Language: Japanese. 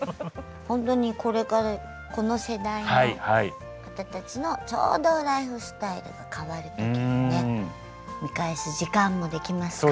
ほんとにこれからこの世代の方たちのちょうどライフスタイルが変わる時にね見返す時間もできますから。